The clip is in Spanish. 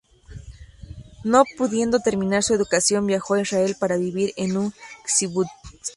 No pudiendo terminar su educación, viajó a Israel para vivir en un Kibutz.